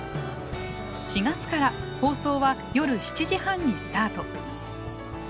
４月から放送は夜７時半にスタート。